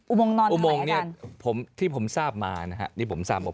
อุโมงนอนไหนอาจารย์อุโมงเนี่ยผมที่ผมทราบมานะฮะที่ผมทราบบอก